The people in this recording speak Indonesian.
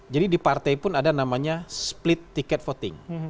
jadi di partai pun ada namanya split ticket voting